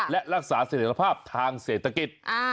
และรักษาเสถียรภาพทางเศรษฐกิจ